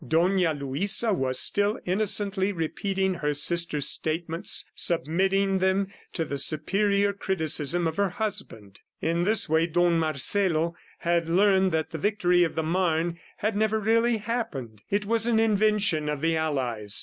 Dona Luisa was still innocently repeating her sister's statements, submitting them to the superior criticism of her husband. In this way, Don Marcelo had learned that the victory of the Marne had never really happened; it was an invention of the allies.